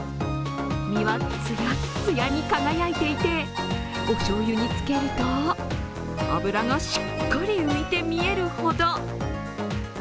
身はツヤッツヤに輝いていて、おしょうゆにつけると、脂がしっかり浮いて見えるほど。